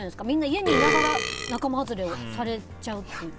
家にいながら仲間外れにされちゃう。